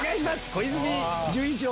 小泉純一郎